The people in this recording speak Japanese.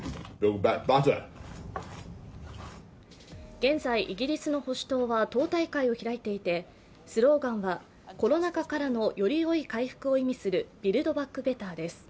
現在イギリスの保守党は党大会を開いていて、スローガンは、コロナ禍からのより良い回復を意味するビルド・バック・ベターです。